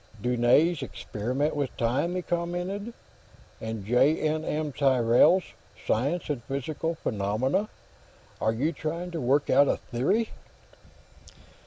"Dunne's 'Experiment with Time,'" he commented. "And J. N. M. Tyrrell's 'Science and Psychical Phenomena.' Are you trying to work out a theory?"